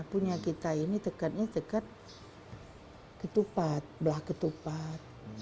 punya kita ini tekadnya tekad ketupat belah ketupat